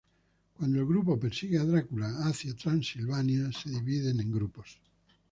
Cuando el grupo persigue a Drácula hacia Transilvania, se dividen en grupos.